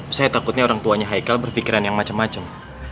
karena saya takutnya orang tuanya haikal berpikiran yang macem macem